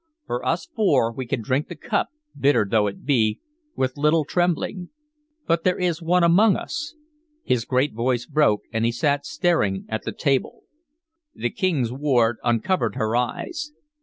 For us four, we can drink the cup, bitter though it be, with little trembling. But there is one among us" His great voice broke, and he sat staring at the table. The King's ward uncovered her eyes.